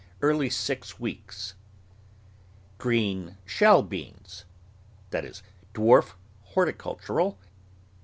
( Early Six Weeks. Green shell beans. Dwarf Horticultural.